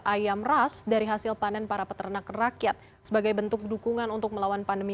ayam ras dari hasil panen para peternak rakyat sebagai bentuk dukungan untuk melawan pandemi